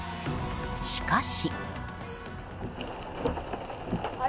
しかし。